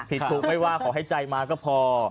ถูกไม่ว่าขอให้ใจมาก็พอ